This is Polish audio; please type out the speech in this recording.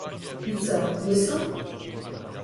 I co, łyso?